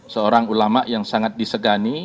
seorang ulama yang sangat disegani